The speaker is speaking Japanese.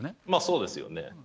まあそうですよね。